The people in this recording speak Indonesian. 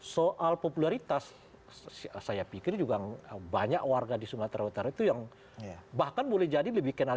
soal popularitas saya pikir juga banyak warga di sumatera utara itu yang bahkan boleh jadi lebih kenal